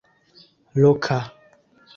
loka